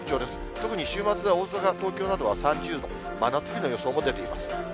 特に週末は大阪、東京などは３０度、真夏日の予想も出ています。